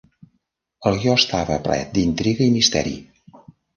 El guió estava ple d'intriga i misteri.